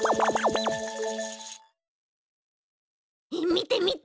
みてみて！